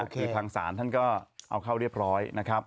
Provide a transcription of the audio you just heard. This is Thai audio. คือทางศาลท่านก็เอาเข้าเรียบร้อยนะครับ